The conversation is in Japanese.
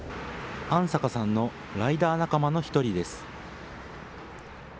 安坂さんのライダー仲間の一人です。